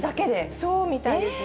そうみたいですね。